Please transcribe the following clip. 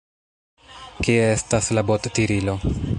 Kie estas la bottirilo?